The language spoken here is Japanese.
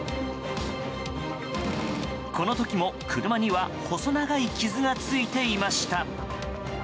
この時も車には細長い傷がついていました。